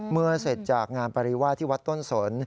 เมื่อเสร็จจากงานปริวาสที่วัดต้นสน